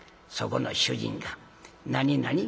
そこの主人が「何何？